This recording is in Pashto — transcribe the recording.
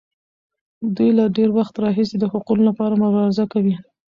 دوی له ډېر وخت راهیسې د حقونو لپاره مبارزه کوي.